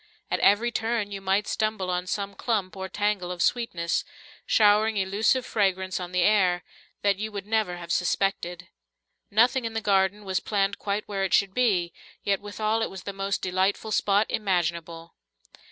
At every turn you might stumble on some clump or tangle of sweetness, showering elusive fragrance on the air, that you would never have suspected. Nothing in the garden was planted quite where it should be, yet withal it was the most delightful spot imaginable.